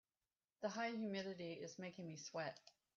The high humidity is making me sweat.